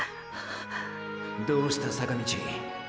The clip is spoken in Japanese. どうした坂道。